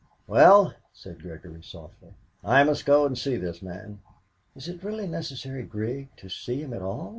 "Well," said Gregory softly, "I must go and see this man." "Is it really necessary, Grig, to see him at all?